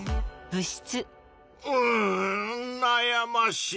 うんなやましい。